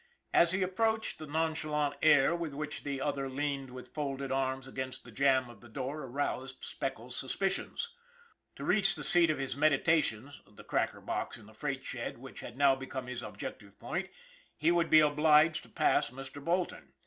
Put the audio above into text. As he approached, the nonchalant air with which the other leaned with folded arms against the jamb of the door aroused Speckles' suspicions. To reach the seat of his meditations the cracker box in the freight shed which had now become his objective point he would be obliged to pass Mr. Bolton.